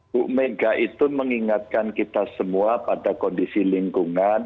bu mega itu mengingatkan kita semua pada kondisi lingkungan